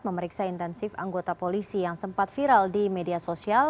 memeriksa intensif anggota polisi yang sempat viral di media sosial